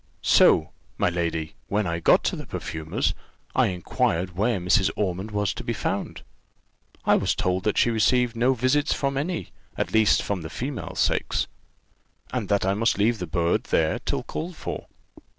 So, my lady, when I got to the perfumer's, I inquired where Mrs. Ormond was to be found? I was told that she received no visits from any, at least from the female sex; and that I must leave the bird there till called for.